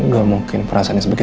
ya ini best writer ya